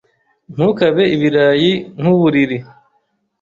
Ntukabe ibirayi nkuburiri.